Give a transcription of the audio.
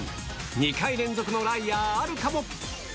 ２回連続のライアーあるかも！